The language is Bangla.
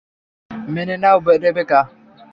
মেনে নাও, রেবেকা।